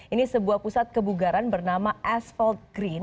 ini sebuah pusat kebugaran bernama asfald green